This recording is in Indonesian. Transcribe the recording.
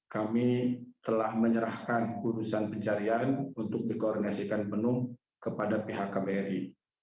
kami telah menyerahkan urusan pencarian untuk dikoordinasikan penuh kepada pihak kbri